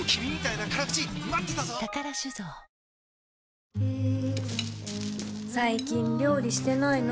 知花さん、最近料理してないの？